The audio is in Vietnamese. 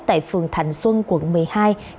tại phường thạnh xuân quận một mươi hai